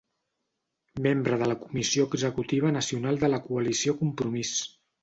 Membre de la Comissió Executiva Nacional de la Coalició Compromís.